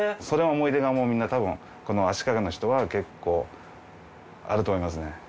その思い出がみんなたぶんこの足利の人は結構あると思いますね。